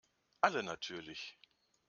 Alle natürlich.